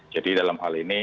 jadi dalam hal ini